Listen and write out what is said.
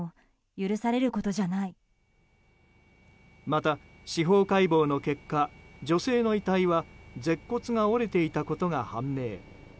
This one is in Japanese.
また、司法解剖の結果女性の遺体は舌骨が折れていたことが判明。